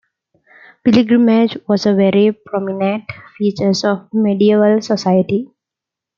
Pilgrimage was a very prominent feature of medieval society.